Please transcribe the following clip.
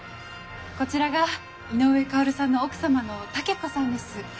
こちらが井上馨さんの奥様の武子さんです。